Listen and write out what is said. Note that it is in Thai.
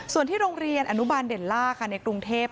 ส่วนที่โรงเรียนอนุบาลเดลล่าค่ะในกรุงเทพ